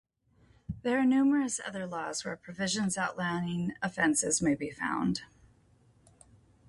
There are numerous other laws where provisions outlining offences may be found.